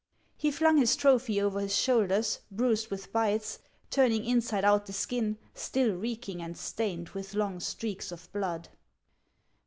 He flung his trophy over his shoulders, bruised with bites, turning inside out the skin, still reeking and stained with long streaks of blood.